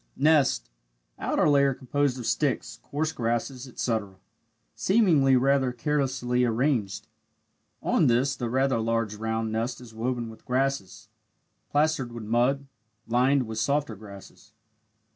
Nest outer layer composed of sticks, coarse grasses, etc., seemingly rather carelessly arranged on this the rather large round nest is woven with grasses plastered with mud lined with softer grasses.